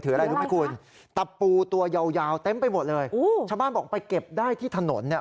อะไรรู้ไหมคุณตะปูตัวยาวยาวเต็มไปหมดเลยชาวบ้านบอกไปเก็บได้ที่ถนนเนี่ย